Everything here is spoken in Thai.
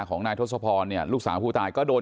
ของนายทศพรเนี่ยลูกสาวผู้ตายก็โดน